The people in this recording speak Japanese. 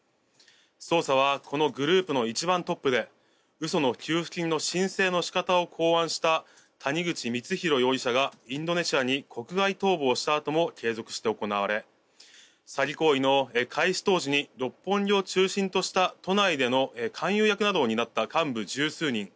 捜査はこのグループの一番トップで嘘の給付金の申請の仕方を考案した谷口光弘容疑者がインドネシアに国外逃亡したとも継続して行われ詐欺行為の開始当時に六本木を中心とした都内での勧誘役を担った幹部十数人